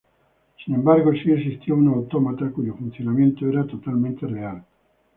Sin embargo, sí existió un autómata cuyo funcionamiento era totalmente real.